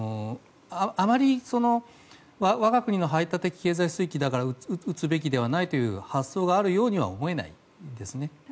あまり、我が国の排他的経済水域だから撃つべきではないという発想があるようには思えないんですね。